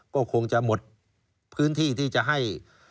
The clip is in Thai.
ก็คงจะหมดพื้นที่ที่จะให้